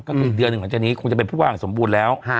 ก็คืออีกเดือนหนึ่งหลังจากนี้คงจะเป็นผู้ว่างสมบูรณ์แล้ว